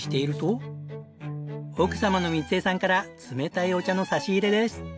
奥様の光江さんから冷たいお茶の差し入れです！